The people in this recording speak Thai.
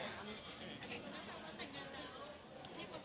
อเรนนี่ปุ๊ปอเรนนี่ปุ๊ป